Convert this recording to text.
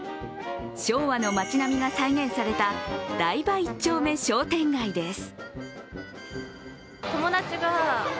昭和の街並みが再現された台場一丁目商店街です。